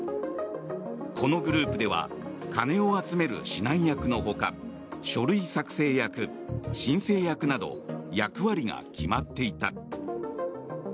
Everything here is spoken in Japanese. このグループでは金を集める指南役のほか書類作成役、申請役など役割が決まっていた。